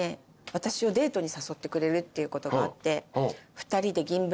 私をデートに誘ってくれるっていうことがあって。